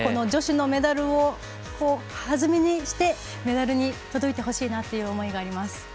女子のメダルを弾みにしてメダルに届いてほしいなという思いがあります。